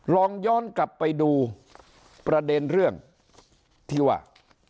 ลองย้อนกลับไปดูประเด็นเรื่องที่ว่า